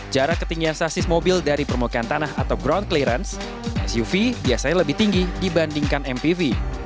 jarak ketinggian sasis mobil dari permukaan tanah atau ground clearance suv biasanya lebih tinggi dibandingkan mpv